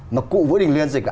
mà cụ vũ đình liên dịch là